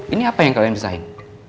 ini apa yang kalian bisain